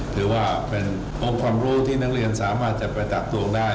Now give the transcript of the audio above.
ถือว่าเป็นองค์ความรู้ที่นักเรียนสามารถจะไปตักตวงได้